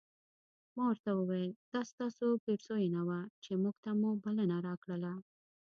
ما ورته وویل دا ستاسو پیرزوینه وه چې موږ ته مو بلنه راکړله.